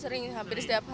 sering hampir setiap hari